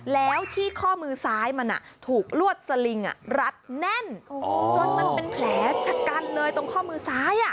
แล้วที่ข้อมือซ้ายมันถูกลวดสลิงรัดแน่นจนมันเป็นแผลชะกันเลยตรงข้อมือซ้าย